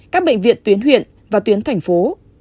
các bệnh viện tuyến huyện và tuyến thành phố